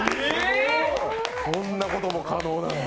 そんなことも可能なんだ。